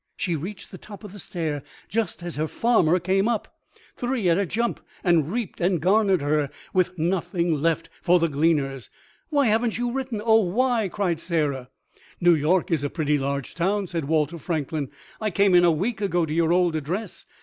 She reached the top of the stairs just as her farmer came up, three at a jump, and reaped and garnered her, with nothing left for the gleaners. "Why haven't you written—oh, why?" cried Sarah. "New York is a pretty large town," said Walter Franklin. "I came in a week ago to your old address.